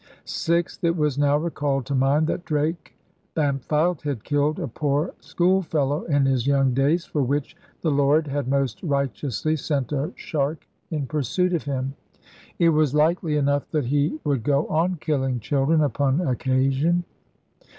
Sixth, it was now recalled to mind that Drake Bampfylde had killed a poor schoolfellow in his young days, for which the Lord had most righteously sent a shark in pursuit of him. It was likely enough that he would go on killing children upon occasion.